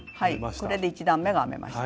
これで１段が編めました。